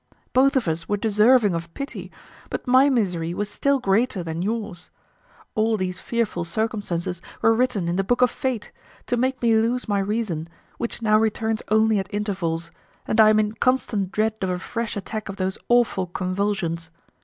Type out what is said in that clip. Both of us were deserving of pity, but my misery was still greater than yours. All these fearful circumstances were written in the book of fate, to make me lose my reason, which now returns only at intervals, and I am in constant dread of a fresh attack of those awful convulsions.